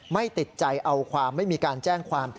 ไม่ติดใจเอาความไม่มีการแจ้งความ